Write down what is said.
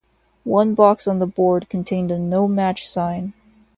One box on the board contained a "No Match" sign.